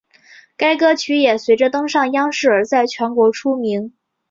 该歌曲也随着登上央视而在全国出名。